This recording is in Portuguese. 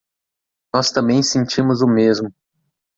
Nós também sentimos o mesmo